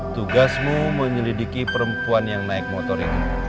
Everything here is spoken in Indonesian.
tugasmu menyelidiki perempuan yang naik motor ini